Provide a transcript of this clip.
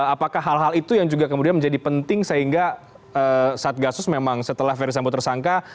apakah hal hal itu yang juga kemudian menjadi penting sehingga saat gasus memang setelah ferry sambo tersangka